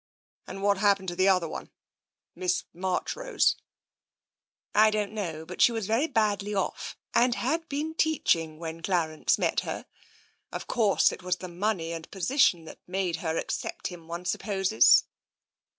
" And what happened to the other one — Miss Marchrose? '*" I don't know, but she was very badly off, and had been teaching when Clarence met her — of course, it was the money and position that made her accept him, one supposes.'